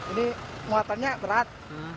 ini penguatannya berat